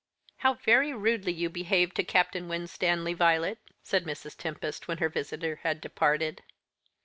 "How very rudely you behaved to Captain Winstanley, Violet," said Mrs. Tempest, when her visitor had departed.